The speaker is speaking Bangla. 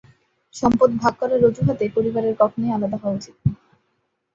সম্পদ ভাগ করার অজুহাতে পরিবারের কখনোই আলাদা হওয়া উচিত না।